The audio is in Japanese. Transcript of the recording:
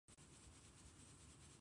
我々はその山脈で土着のガイドを雇った。